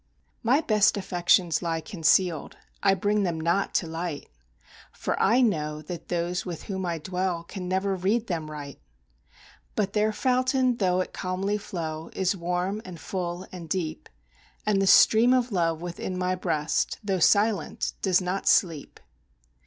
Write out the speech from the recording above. My best affections lie concealed I bring them not to light, For I know that those with whom I dwell can never read them right; But their fountain, tho' it calmly flow, is warm and full and deep, And the stream of love within my breast, tho' silent, does not sleep.